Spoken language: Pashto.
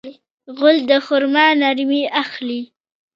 غول د خرما نرمي اخلي.